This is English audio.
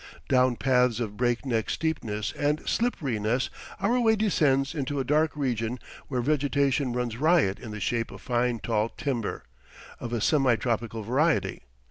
Down paths of break neck steepness and slipperiness, our way descends into a dark region where vegetation runs riot in the shape of fine tall timber, of a semi tropical variety.